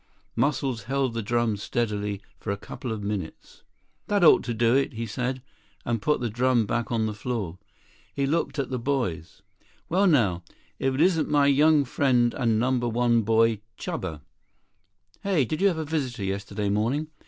Muscles held the drum steadily for a couple of minutes. "That ought to do it," he said, and put the drum back on the floor. He looked at the boys. "Well, now, if it isn't my young friend and Number One boy Chuba. Hey, did you have a visitor yesterday morning?"